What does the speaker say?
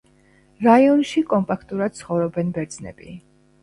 რაიონში კომპაქტურად ცხოვრობენ ბერძნები.